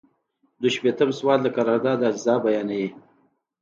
دوه شپیتم سوال د قرارداد اجزا بیانوي.